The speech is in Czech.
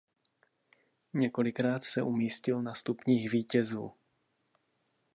Několikrát se umístil na stupních vítězů.